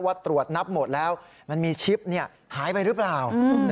ตรวจนับหมดแล้วมันมีชิปหายไปหรือเปล่า